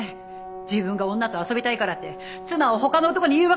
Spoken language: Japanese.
自分が女と遊びたいからって妻を他の男に誘惑させるなんて！